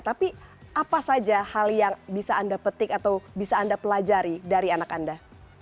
tapi apa saja hal yang bisa anda petik atau bisa anda pelajari dari anak anda